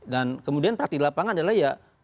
dan kemudian praktik di lapangan adalah ya